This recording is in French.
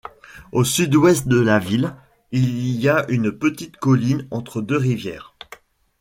Au sud-ouest de la ville, il y a une petite colline entre deux rivières.